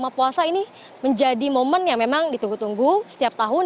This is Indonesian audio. karena puasa ini menjadi momen yang memang ditunggu tunggu setiap tahun